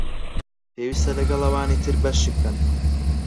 پێوستە لەگەڵ ئەوانی تر بەشی بکەن